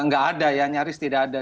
nggak ada ya nyaris tidak ada